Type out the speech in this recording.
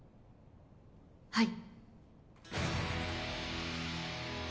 はい。